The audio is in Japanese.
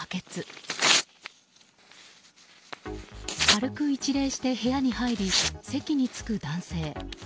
軽く一礼して部屋に入り席に着く男性。